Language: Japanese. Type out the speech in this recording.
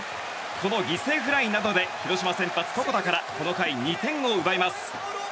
この犠牲フライなどで広島先発、床田からこの回２点を奪います。